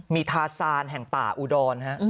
มีทาซานแห่งป่าอุดรฮะ